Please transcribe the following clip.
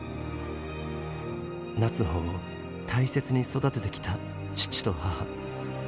夏穂を大切に育ててきた父と母。